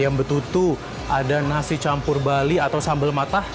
sambal tutu ada nasi campur bali atau sambal matah